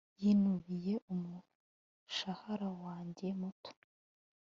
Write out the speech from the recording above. yinubiye umushahara wanjye muto